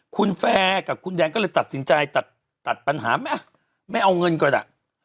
คุณแฟร์กับคุณแดงก็เลยตัดสินใจตัดปัญหาไหมไม่เอาเงินก็ได้